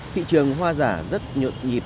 thị trường hoa giả rất tuyệt